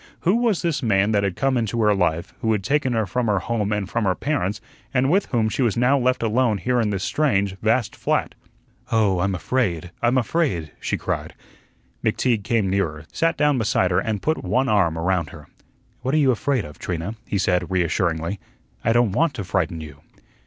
Who was this man that had come into her life, who had taken her from her home and from her parents, and with whom she was now left alone here in this strange, vast flat? "Oh, I'm afraid. I'm afraid," she cried. McTeague came nearer, sat down beside her and put one arm around her. "What are you afraid of, Trina?" he said, reassuringly. "I don't want to frighten you."